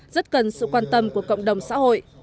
rất cần sự quan tâm của cộng đồng xã hội